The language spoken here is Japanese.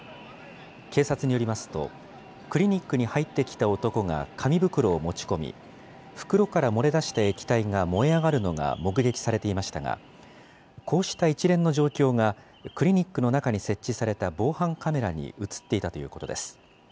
警察によりますと、クリニックに入ってきた男が、紙袋を持ち込み、袋から漏れ出した液体が燃え上がるのが目撃されていましたが、こうした一連の状況が、クリニックの中に設置された防犯カメラに写っていたということです。